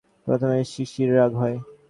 প্রথমে শশীর রাগ হয়।